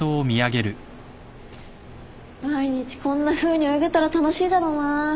毎日こんなふうに泳げたら楽しいだろうな。